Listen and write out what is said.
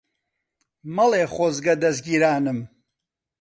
مەڵێ خۆزگە دەزگیرانم